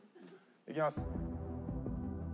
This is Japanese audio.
いきます。